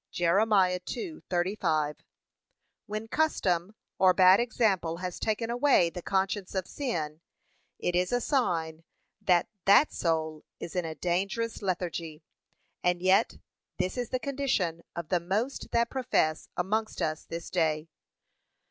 (Jer. 2:35) When custom or bad example has taken away the conscience of sin, it is a sign that [that] soul is in a dangerous lethargy; and yet this is the condition of the most that profess amongst us this day.